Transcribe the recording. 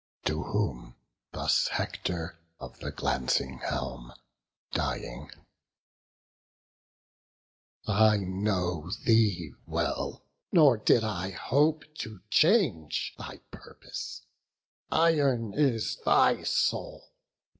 To whom thus Hector of the glancing helm, Dying: "I know thee well; nor did I hope To change thy purpose; iron is thy soul.